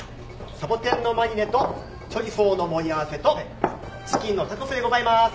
サボテンのマリネとチョリソーの盛り合わせとチキンのタコスでございます。